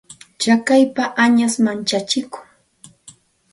Tsakaypa añash manchachikun.